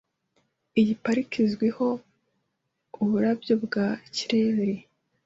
Iyi parike izwiho uburabyo bwa kireri .